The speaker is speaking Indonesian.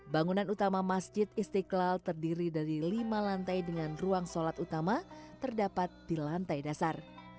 bangunan utama masjid istiqlal terdiri dari lima lantai dengan ruang sholat utama terdapat di lantai dasar